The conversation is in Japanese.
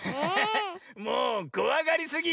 もうこわがりすぎ。